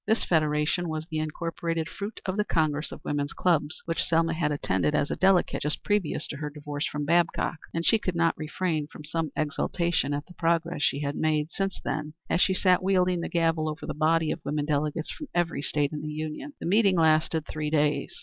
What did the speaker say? This federation was the incorporated fruit of the Congress of Women's Clubs, which Selma had attended as a delegate just previous to her divorce from Babcock, and she could not refrain from some exultation at the progress she had made since then as she sat wielding the gavel over the body of women delegates from every State in the Union. The meeting lasted three days.